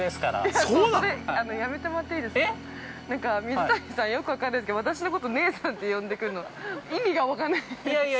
◆水谷さん、よく分かんないですけど私のこと「姉さん」て呼んでくんの、意味が分かんない。